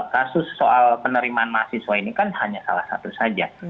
kasus soal penerimaan mahasiswa ini kan hanya salah satu saja